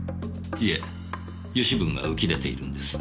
いえ油脂分が浮き出ているんです。